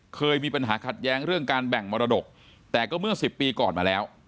เคยมีปัญหาขัดแย้งเรื่องการแบ่งมรดกแต่ก็เมื่อ๑๐ปีก่อนมาแล้ว